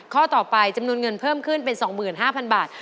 ข้อต่อไปจำนวนเงินเพิ่มขึ้นเป็น๒๕๐๐บาท